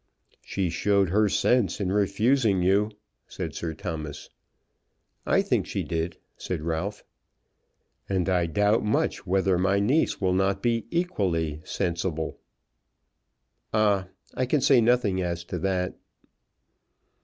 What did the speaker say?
"She showed her sense in refusing you," said Sir Thomas. "I think she did," said Ralph. "And I doubt much whether my niece will not be equally sensible." "Ah, I can say nothing as to that."